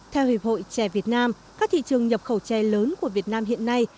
theo hiệp hội trẻ việt nam các thị trường nhập khẩu chè lớn của việt nam hiện nay